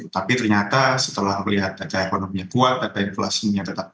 tapi ternyata setelah melihat data ekonominya kuat data inflasinya tetap